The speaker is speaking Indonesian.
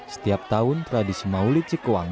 setiap tahun tradisi maulid cikuang